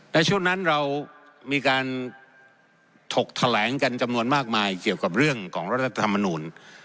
ในช่วงนั้นเรามีการถกแถลงกันจำนวนมากมายเกี่ยวกับเรื่องของรัฐธรรมนูล